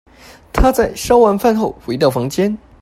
她在燒完飯後回到房間